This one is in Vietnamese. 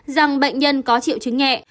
rằng bệnh nhân có triệu chứng nhẹ